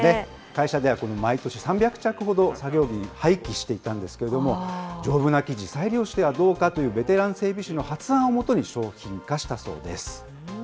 会社では毎年３００着ほど作業着、廃棄していたんですけれども、丈夫な生地、再利用してはどうかというベテラン整備士の発案をもとに商品化したそうです。